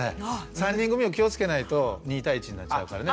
３人組は気をつけないと２対１になっちゃうからね。